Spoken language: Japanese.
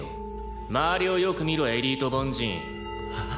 「周りをよく見ろエリート凡人」はあ？